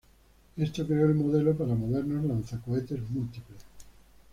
Esto creó el modelo para modernos lanzacohetes múltiples.